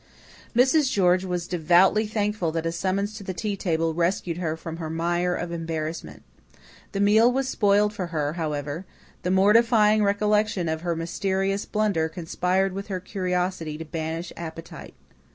Mrs. George was devoutly thankful that a summons to the tea table rescued her from her mire of embarrassment. The meal was spoiled for her, however; the mortifying recollection of her mysterious blunder conspired with her curiosity to banish appetite.